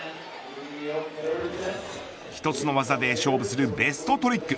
１つの技で勝負するベストトリック。